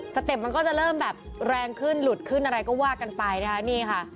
เต็ปมันก็จะเริ่มแบบแรงขึ้นหลุดขึ้นอะไรก็ว่ากันไปนะคะนี่ค่ะ